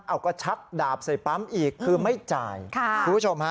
เอาก็ชักดาบใส่ปั๊มอีกคือไม่จ่ายค่ะคุณผู้ชมฮะ